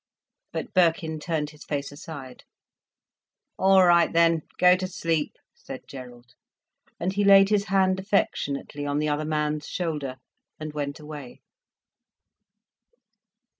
But Birkin turned his face aside. "All right then, go to sleep," said Gerald, and he laid his hand affectionately on the other man's shoulder, and went away.